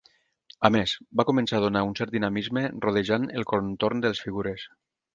A més, va començar a donar un cert dinamisme rodejant el contorn de les figures.